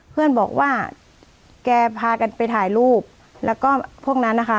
เพื่อนบอกว่าแกพากันไปถ่ายรูปแล้วก็พวกนั้นนะคะ